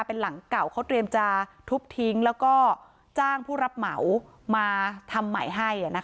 เป็นหลังเก่าเขาเตรียมจะทุบทิ้งแล้วก็จ้างผู้รับเหมามาทำใหม่ให้